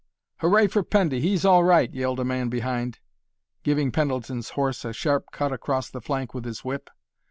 "Hooray for Pendy! He's all right!" yelled a man behind, giving Pendleton's horse a sharp cut across the flank with his whip.